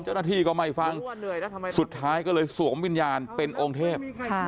เจ้าหน้าที่ก็ไม่ฟังสุดท้ายก็เลยสวมวิญญาณเป็นองค์เทพ